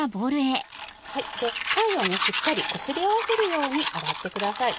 貝をしっかりこすり合わせるように洗ってください。